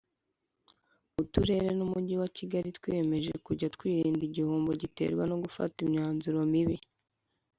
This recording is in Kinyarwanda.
Uturere n umujyi wa kigali twiyemeje kujya twirinda igihombo giterwa no gufata imyanzuro mibi